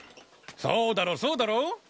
そうだろそうだろ！